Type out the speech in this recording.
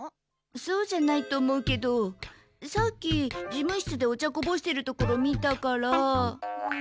そうじゃないと思うけどさっき事務室でお茶こぼしてるところ見たから。